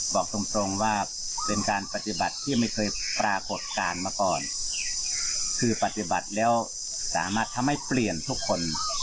บอกตรงตรงว่าเป็นการปฏิบัติที่ไม่เคยปรากฏการณ์มาก่อนคือปฏิบัติแล้วสามารถทำให้เปลี่ยนทุกคน